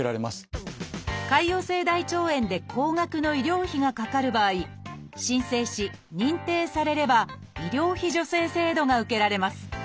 潰瘍性大腸炎で高額の医療費がかかる場合申請し認定されれば医療費助成制度が受けられます。